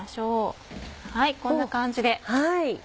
はいこんな感じで。